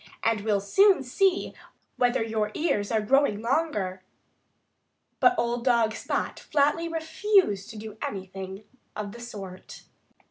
And we'll soon see whether your ears are growing longer." But old dog Spot refused flatly to do anything of the sort.